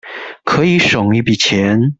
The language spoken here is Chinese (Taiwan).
可以省一筆錢